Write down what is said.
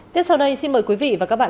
tiếp sau đây xin mời quý vị và các bạn